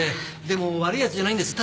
でも悪い奴じゃないんです。